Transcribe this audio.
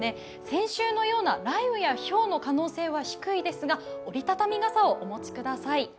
先週のような雷雨やひょうの可能性は低いですが、折り畳み傘をお持ちください。